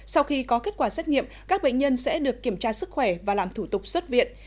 sau khi có kết quả xét nghiệm các bệnh nhân sẽ được kiểm tra sức khỏe và làm thủ tục xuất viện